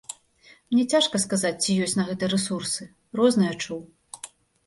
Мне цяжка сказаць, ці ёсць на гэта рэсурсы, рознае чуў.